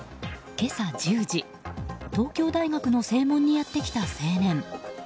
今朝１０時、東京大学の正門にやってきた青年。